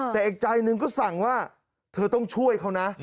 แต่อีกใจหนึ่งก็สั่งว่าเธอต้องช่วยเขานะ